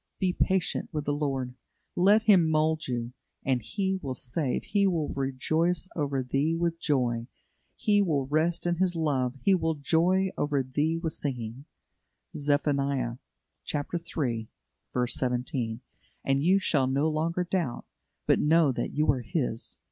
Be patient with the Lord. Let Him mould you, and "He will save, He will rejoice over thee with joy; He will rest in His love, He will joy over thee with singing" (Zeph. iii. 17); and you shall no longer doubt, but know that you are His.